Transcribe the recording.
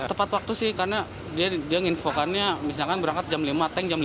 tepat waktu sih karena dia nginfokannya misalkan berangkat jam lima tank jam lima